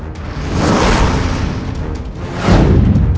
aku di sini guru